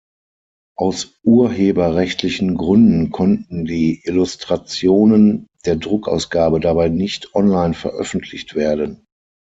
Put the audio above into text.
Aus urheberrechtlichen Gründen konnten die Illustrationen der Druckausgabe dabei nicht online veröffentlicht werden.